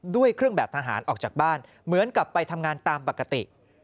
ด้วยเครื่องแบบทหารออกจากบ้านเหมือนกับไปทำงานตามปกติ